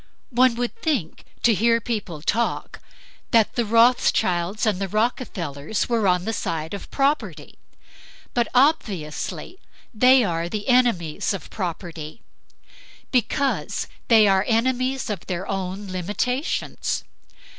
One would think, to hear people talk, that the Rothchilds and the Rockefellers were on the side of property. But obviously they are the enemies of property; because they are enemies of their own limitations.